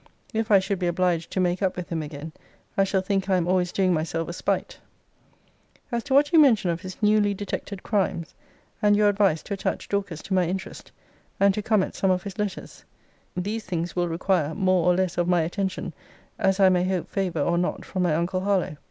If I should be obliged to make up with him again, I shall think I am always doing myself a spite. As to what you mention of his newly detected crimes; and your advice to attach Dorcas to my interest; and to come at some of his letters; these things will require more or less of my attention, as I may hope favour or not from my uncle Harlowe.